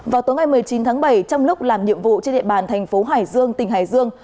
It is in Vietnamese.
vào tối ngày một mươi chín tháng bảy trong lúc làm nhiệm vụ trên địa bàn thành phố hải dương tỉnh hải dương